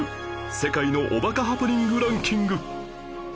世界のおバカハプニングランキング